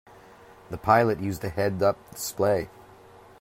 The pilot used a head-up display.